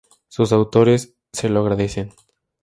Sus autores se lo agradecen.